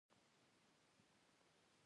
ټکله می درته کړې ،یعنی میلمه می يی